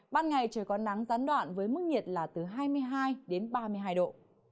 ban ngày trời có nắng gián đoạn với mức nhiệt là từ hai mươi hai đến ba mươi hai độ